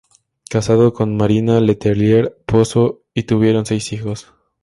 Casado con Marina Letelier Pozo, y tuvieron seis hijos.